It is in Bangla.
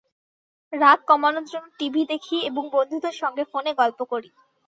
রাগ কমানোর জন্য টিভি দেখি এবং বন্ধুদের সঙ্গে ফোনে গল্প করি।